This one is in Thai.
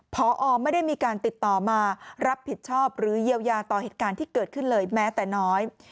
พอไม่ได้มีการติดต่อมารับผิดชอบหรือเยียวยาต่อเหตุการณ์ที่เกิดขึ้นเลยแม้แต่น้อย